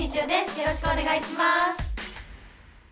よろしくお願いします。